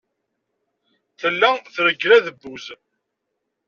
Tella treggel abduz.